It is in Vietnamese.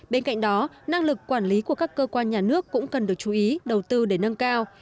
bên cạnh đó năng lực quản lý của các cơ quan nhà nước cũng cần được chú ý đầu tư để nâng cao